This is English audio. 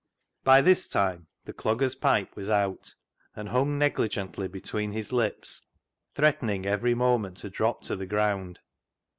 By this time the dogger's pipe was out, and hung negligently between his lips, threatening every moment to drop to the ground.